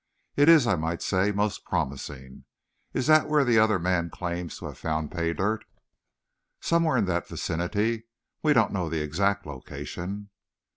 It is, I might say, most promising. Is that where the other man claims to have found pay dirt?" "Somewhere in that vicinity. We don't know the exact location."